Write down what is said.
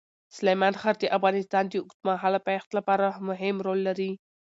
سلیمان غر د افغانستان د اوږدمهاله پایښت لپاره مهم رول لري.